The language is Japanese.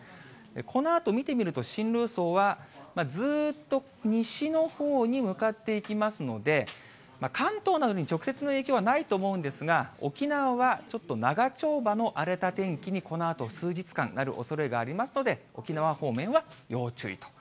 このあと見てみると、進路予想はずーっと西のほうに向かっていきますので、関東などに直接の影響はないと思うんですが、沖縄はちょっと長丁場の荒れた天気にこのあと数日間、なるおそれがありますので、沖縄方面は要注意と。